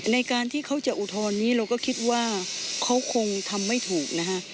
ในการที่เขาจะอุทธรณ์นี้เราก็คิดว่าเขาคงทำไม่ถูกนะคะ